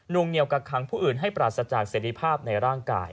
วงเหนียวกักขังผู้อื่นให้ปราศจากเสรีภาพในร่างกาย